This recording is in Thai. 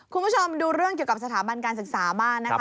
คุณผู้ชมดูเรื่องเกี่ยวกับสถาบันการศึกษามากนะคะ